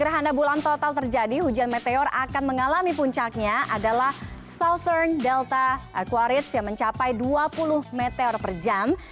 gerhana bulan total terjadi hujan meteor akan mengalami puncaknya adalah southern delta aquarids yang mencapai dua puluh meter per jam